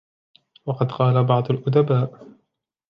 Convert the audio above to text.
وَقَدْ قَالَ بَعْضُ الْأُدَبَاءِ